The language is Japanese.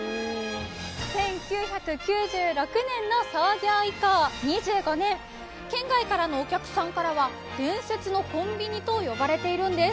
１９９６年の創業以降２５年、県外からのお客さんからは伝説のコンビニと呼ばれているんです。